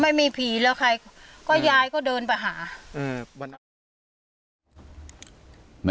ไม่มีผีแล้วใครก็ยายก็เดินไปหาอืมวันนั้น